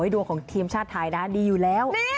ดวงของทีมชาติไทยนะดีอยู่แล้ว